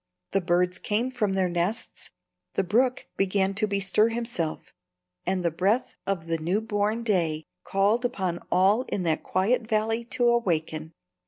The birds came from their nests, the brook began to bestir himself, and the breath of the new born day called upon all in that quiet valley to awaken.